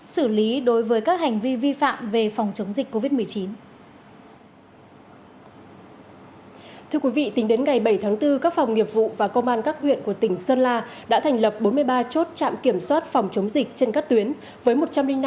xử lý đối với các hành vi vi phạm về phòng chống dịch covid một mươi chín